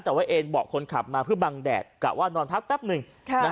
แต่ว่าเอ็นเบาะคนขับมาเพื่อบังแดดกะว่านอนพักแป๊บหนึ่ง